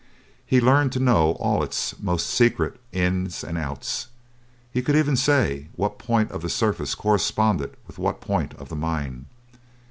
He learnt to know all its most secret ins and outs. He could even say what point of the surface corresponded with what point of the mine.